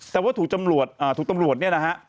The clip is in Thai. แต่ว่าถูกตำรวจถูกตำรวจเนี่ยนะฮะ